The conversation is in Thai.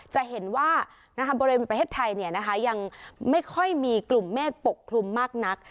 จะเห็นว่าบริเวณประเทศไทยยังไม่ค่อยมีกลุ่มเมฆปกคลุมมากนัก